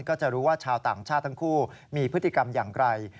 ก็จะรู้ว่าชาวต่างชาติทั้งคู่มีพฤติกรรมอย่างไร